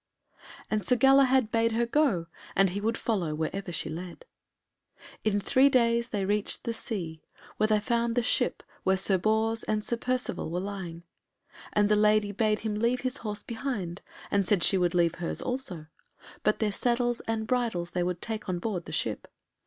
And Sir Galahad bade her go, and he would follow wherever she led. In three days they reached the sea, where they found the ship where Sir Bors and Sir Percivale were lying. And the lady bade him leave his horse behind and said she would leave hers also, but their saddles and bridles they would take on board the ship.